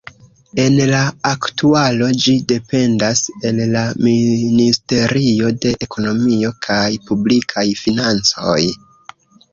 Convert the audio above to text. En la aktualo ĝi dependas el la Ministerio de Ekonomio kaj Publikaj Financoj.